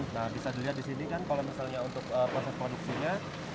nah bisa dilihat di sini kan kalau misalnya untuk proses produksinya